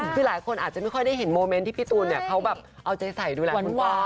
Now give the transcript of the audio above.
คือหลายคนอาจจะไม่ค่อยได้เห็นโมเมนต์ที่พี่ตูนเนี่ยเขาแบบเอาใจใส่ดูแลคุณพ่อ